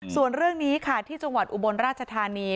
ส่วนเรื่องนี้ค่ะที่จังหวัดอุบลราชธานี